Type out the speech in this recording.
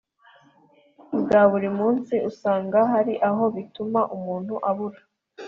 bwa buri munsi, usanga hari aho bituma umuntu abura